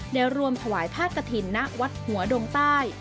ได้รวมถวายผ้ากระถิ่นณวัดหัวดงใต้